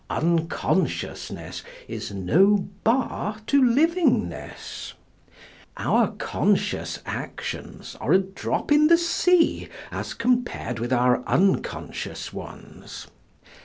Unconsciousness is no bar to livingness. Our conscious actions are a drop in the sea as compared with our unconscious ones.